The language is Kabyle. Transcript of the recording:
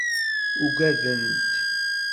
Ugadent.